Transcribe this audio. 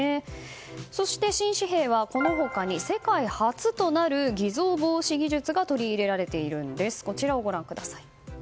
そして新紙幣はこの他に、世界初となる偽造防止技術が取り入れられているんです。